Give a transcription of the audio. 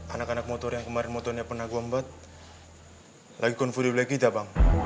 anak anak motor yang kemarin motornya pernah gombat lagi confri oleh kita bang